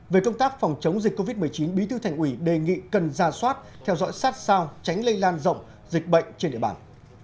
về công tác phòng chống dịch covid một mươi chín bí thư thành ủy đề nghị cần ra soát theo dõi sát sao tránh lây lan rộng dịch bệnh trên địa bàn